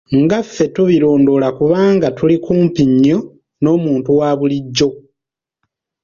Nga ffe tubirondoola kubanga tuli kumpi nnyo n’omuntu wa bulijjo.